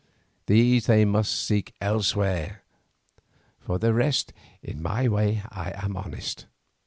These they must seek elsewhere. For the rest, in my way I am honest.